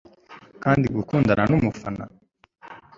kandi gukundana numufana